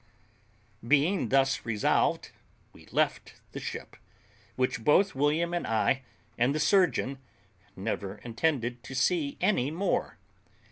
Being thus resolved, we left the ship, which both William and I, and the surgeon, never intended to see any more.